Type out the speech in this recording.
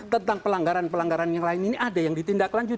tentang pelanggaran pelanggaran lain ini ada yang ditindak lanjut